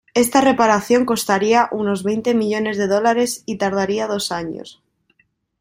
Esta reparación costaría unos veinte millones de dólares y tardaría dos años.